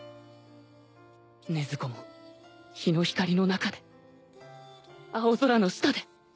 禰豆子も日の光の中で青空の下で